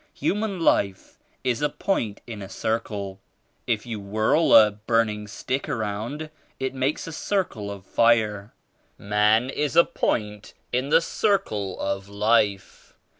Human life is a point in a circle. If you whirl a burning stick around, it makes a circle of fire. Man is a point in the circle of life.